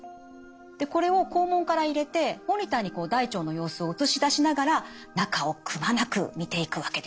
これを肛門から入れてモニターに大腸の様子を映し出しながら中をくまなく見ていくわけです。